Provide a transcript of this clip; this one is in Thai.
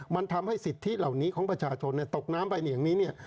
มันทำให้สิทธิเหล่านี้ของประชาชนตกน้ำไปอย่างนี้เนี่ย